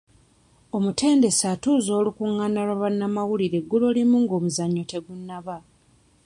Omutendesi atuuza olukungaana lwa bannamawulire eggulo limu ng'omuzannyo tegunnaba.